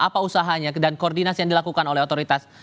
apa usahanya dan koordinasi yang dilakukan oleh otoritas